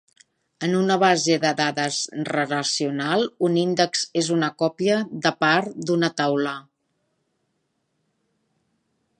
En una base de dades relacional un índex és una còpia de part d'una taula.